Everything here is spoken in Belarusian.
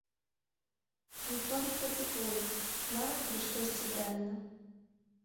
Ніхто не крытыкуе, нават калі штосьці дрэнна.